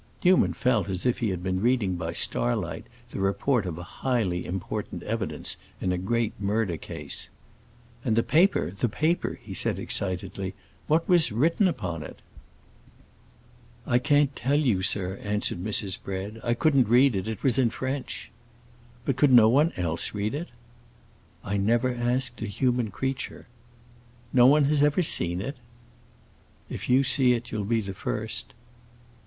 Newman felt as if he had been reading by starlight the report of highly important evidence in a great murder case. "And the paper—the paper!" he said, excitedly. "What was written upon it?" "I can't tell you, sir," answered Mrs. Bread. "I couldn't read it; it was in French." "But could no one else read it?" "I never asked a human creature." "No one has ever seen it?" "If you see it you'll be the first."